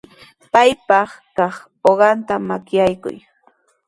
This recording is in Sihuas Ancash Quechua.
Paypaq kaq uqanta makaykuy.